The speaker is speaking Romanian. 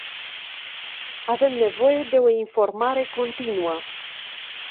Avem nevoie de o informare continuă.